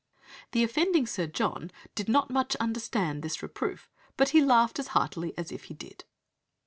The offending Sir John "did not much understand this reproof," but he "laughed as heartily as if he did."